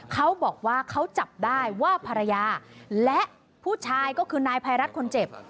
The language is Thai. เขาบอกว่าเขาจับได้ว่าภรรยาและผู้ชายก็คือนายภัยรัฐคนเจ็บ